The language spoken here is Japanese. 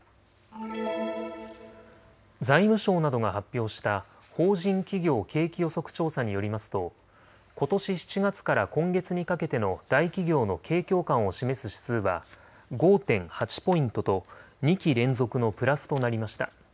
財務省などが発表した法人企業景気予測調査によりますとことし７月から今月にかけての大企業の景況感を示す指数は５．８ポイントと２期連続のプラスとなりました。